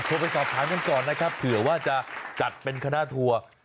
ไปสอบถามกันก่อนนะครับเผื่อว่าจะจัดเป็นคณะทัวร์